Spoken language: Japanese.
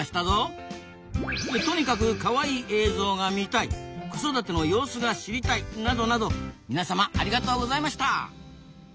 「とにかくカワイイ映像が見たい」「子育ての様子が知りたい」などなど皆様ありがとうございました！